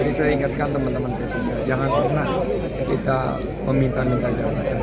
jadi saya ingatkan teman teman pimpinan jangan pernah kita meminta minta jabatan